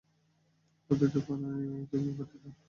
প্রতিটা থানায় এই ছবি পাঠিয়ে দাও।